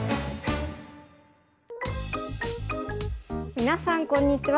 皆さんこんにちは。